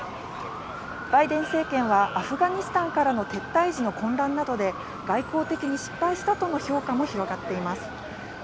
バイデン政権はアフガニスタンからの撤退時の混乱などで外交的に失敗したとの評価も広がっています。